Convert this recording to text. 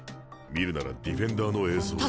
見るならディフェンダーの映像を。